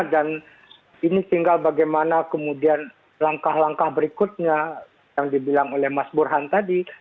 dan ini tinggal bagaimana kemudian langkah langkah berikutnya yang dibilang oleh mas burhan tadi